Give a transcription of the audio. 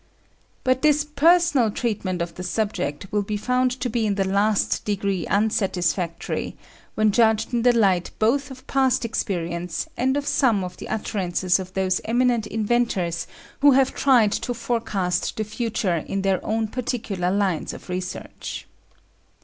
But this personal treatment of the subject will be found to be in the last degree unsatisfactory, when judged in the light both of past experience and of some of the utterances of those eminent inventors who have tried to forecast the future in their own particular lines of research.